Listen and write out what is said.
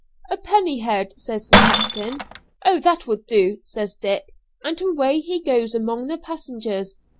'A penny a head,' says the captain. 'Oh! that will do,' says Dick; and away he goes among the passengers.